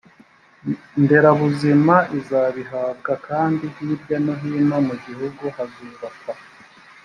nderabuzima izabihabwa kandi hirya no hino mu gihugu hazubakwa